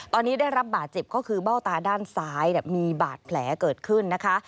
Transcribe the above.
ตอนนี้ได้รับบาดเจ็บก็คือเบ้าตาด้านซ้ายมีบาดแผลเกิดขึ้นนะคะ